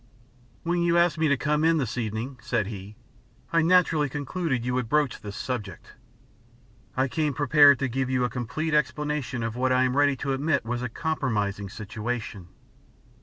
"When you asked me to come in this evening," said he, "I naturally concluded you would broach this subject. I came prepared to give you a complete explanation of what I am ready to admit was a compromising situation."